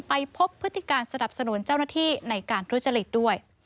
ไปพบพฤติการสนับสนุนเจ้าหน้าที่ในการทุจริตด้วย